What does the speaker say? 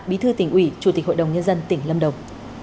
bí thư tỉnh ủy chủ tịch hội đồng nhân dân tỉnh lâm đồng